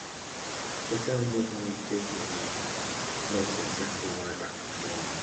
The film was one of Disney's most successful live-action films.